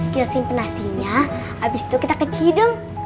gilsim penasinya abis itu kita ke cihidung